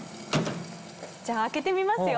じゃあ開けてみますよ